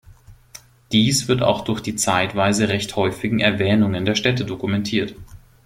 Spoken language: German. Dies wird auch durch die zeitweise recht häufigen Erwähnung der Städte dokumentiert.